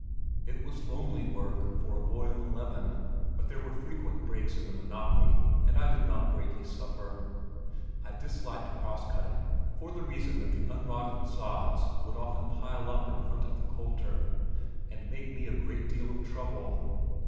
It was lonely work for a boy of eleven but there were frequent breaks in the monotony and I did not greatly suffer. I disliked cross cutting for the reason that the unrotted sods would often pile up in front of the coulter and make me a great deal of trouble.